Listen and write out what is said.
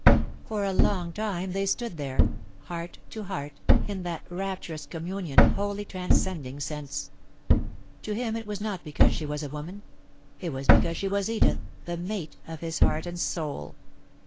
For a long time they stood there, heart to heart, in that rapturous communion wholly transcending sense. To him it was not because she was a woman; it was because she was Edith, the mate of his heart and soul.